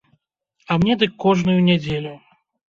А мне дык кожную нядзелю.